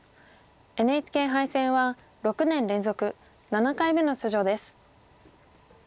ＮＨＫ杯戦は６年連続７回目の出場です。